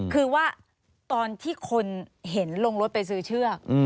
คือว่าตอนที่คนเห็นลงรถไปซื้อเชือก